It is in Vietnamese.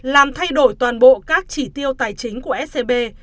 làm thay đổi toàn bộ các chỉ tiêu tài chính của scb